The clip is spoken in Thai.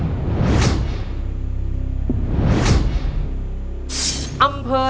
คุณยายแจ้วเลือกตอบจังหวัดนครราชสีมานะครับ